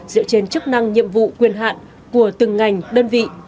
dựa trên chức năng nhiệm vụ quyền hạn của từng ngành đơn vị